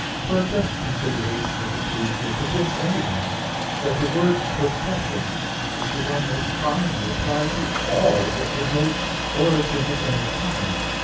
For a just consideration of the truth will convince anyone that the word procession is the one most commonly applied to all that denotes origin of any kind.